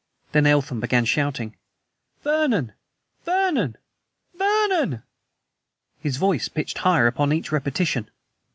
Then Eltham began shouting: "Vernon! Vernon! VERNON!" His voice pitched higher upon each repetition.